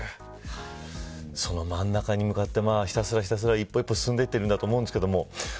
その真ん中に向かってひたすら一歩一歩進んでいってるんだと思うんですけど。